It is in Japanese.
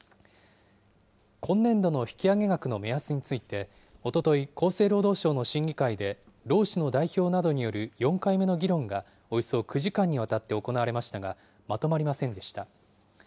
今年度の引き上げ額の目安についておととい、厚生労働省の審議会で、労使の代表などによる４回目の議論が、およそ９時間にわたって行われましたが、まとまりませんでした。